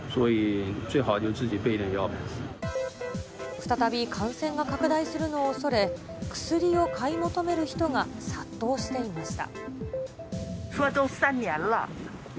再び感染が拡大するのをおそれ、薬を買い求める人が殺到していました。